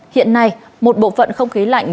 hiện nay một bộ phận không khí lạnh